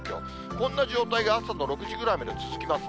こんな状態が朝の６時ぐらいまで続きます。